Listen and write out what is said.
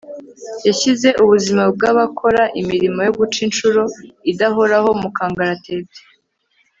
yashyize ubuzima bw' abakora imirimo yo guca inshuro (idahoraho) mu kangaratete